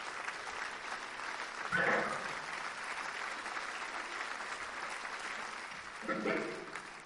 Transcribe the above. Está construido íntegramente en piedra granítica.